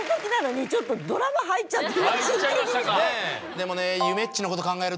でもね。